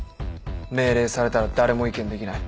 命令されたら誰も意見できない。